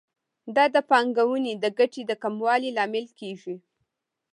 دا د پانګونې د ګټې د کموالي لامل کیږي.